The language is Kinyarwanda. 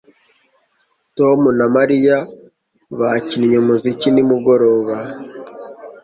Tom na Mariya bakinnye umuziki nimugoroba